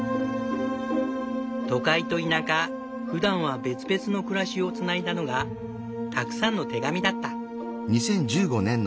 都会と田舎ふだんは別々の暮らしをつないだのがたくさんの手紙だった。